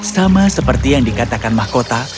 sama seperti yang dikatakan mahkota